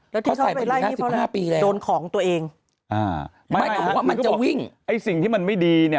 แล้วที่เขาไปไล่นี่เพราะอะไรโดนของตัวเองมันจะวิ่งไอ้สิ่งที่มันไม่ดีเนี่ย